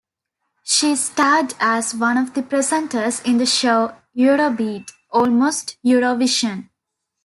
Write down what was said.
She starred as one of the presenters in the show Eurobeat: Almost Eurovision!